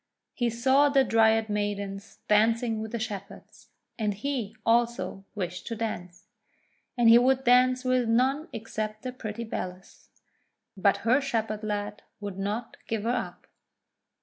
He saw the Dryad Maidens dancing with the Shepherds, and he, also, wished to dance. And he would dance with none except the pretty Bellis. But her Shepherd lad would not give her up.